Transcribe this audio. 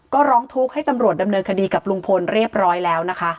ก็ร้องทุกข์ให้ตำรวจดำเนินคดีกับลุงพลเรียบร้อยแล้วนะคะ